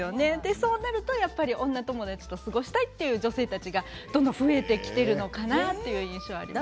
そうなると女友達と過ごしたいという女性たちが、どんどん増えてきているのかなという印象です。